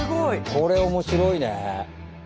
これ面白いね。